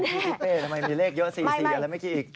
พี่นิเฟ่ทำไมมีเลขเยอะ๐๔แล้วไม่มีอีก